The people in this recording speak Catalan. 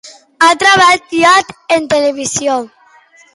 Ha treballat en televisió?